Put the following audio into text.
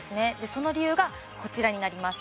その理由がこちらになります